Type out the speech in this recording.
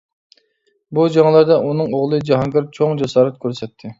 بۇ جەڭلەردە ئۇنىڭ ئوغلى جاھانگىر چوڭ جاسارەت كۆرسەتتى.